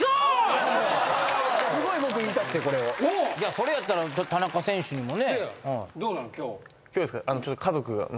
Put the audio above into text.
それやったら田中選手にもね。どうなの？